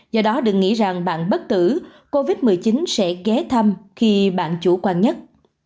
do đó đừng nghĩ rằng bạn bất tử covid một mươi chín sẽ ghé thăm khi bạn chủ quan nhất